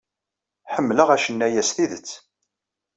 Ḥemmleɣ acennay-a s tidet.